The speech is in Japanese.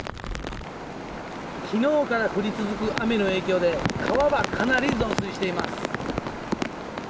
昨日から降り続く雨の影響で川はかなり増水しています。